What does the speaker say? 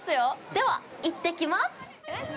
では、行ってきます！